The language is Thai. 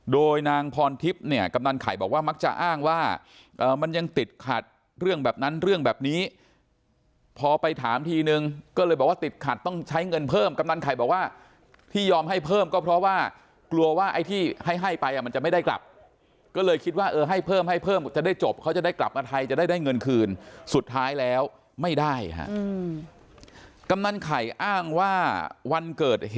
โดยนางพรทิพย์เนี่ยกำนันไข่บอกว่ามักจะอ้างว่ามันยังติดขัดเรื่องแบบนั้นเรื่องแบบนี้พอไปถามทีนึงก็เลยบอกว่าติดขัดต้องใช้เงินเพิ่มกำนันไข่บอกว่าที่ยอมให้เพิ่มก็เพราะว่ากลัวว่าไอ้ที่ให้ให้ไปอ่ะมันจะไม่ได้กลับก็เลยคิดว่าเออให้เพิ่มให้เพิ่มจะได้จบเขาจะได้กลับมาไทยจะได้เงินคืนสุดท้ายแล้วไม่ได้ฮะกำนันไข่อ้างว่าวันเกิดเหตุ